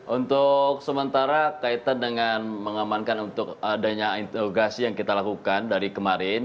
untuk sementara kaitan dengan mengamankan untuk adanya interogasi yang kita lakukan dari kemarin